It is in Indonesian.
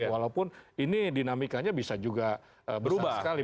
walaupun ini dinamikanya bisa juga berubah sekali